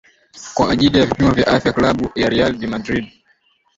kwa ajili ya vipimo vya afya klabu ya real de madrid